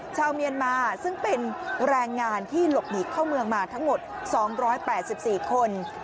ชาวเมียนมาซึ่งเป็นแรงงานที่หลบหนีเข้าเมืองมาทั้งหมด๒๘๔คน